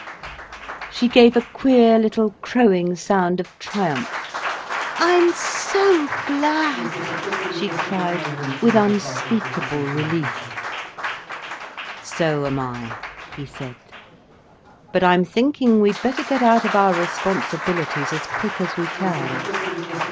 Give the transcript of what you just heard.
She gave a queer little crowing sound of triumph. "I'm so glad!" she cried, with unspeakable relief. "So am I," he said. "But I'm thinking we'd better get out of our responsibilities as quick as we can."